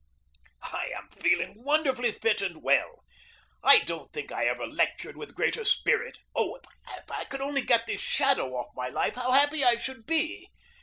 I am feeling wonderfully fit and well. I don't think I ever lectured with greater spirit. Oh, if I could only get this shadow off my life, how happy I should be!